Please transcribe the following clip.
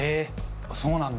あっそうなんだ。